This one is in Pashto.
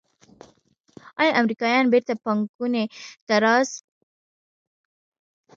آیا امریکایان بیرته پانګونې ته راځí؟